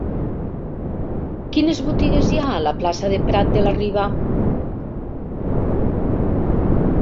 Quines botigues hi ha a la plaça de Prat de la Riba?